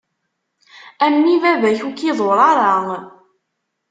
A mmi baba-k ur k-iḍur ara.